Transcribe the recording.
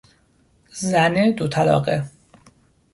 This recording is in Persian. زن دوطلاقه